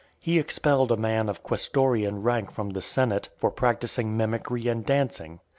He expelled a man of quaestorian rank from the senate, for practising mimicry and dancing.